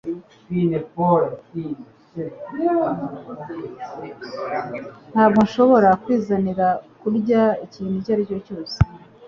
Ntabwo nshobora kwizanira kurya ikintu icyo ari cyo cyose